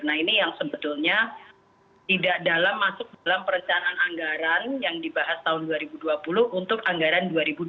nah ini yang sebetulnya tidak dalam masuk dalam perencanaan anggaran yang dibahas tahun dua ribu dua puluh untuk anggaran dua ribu dua puluh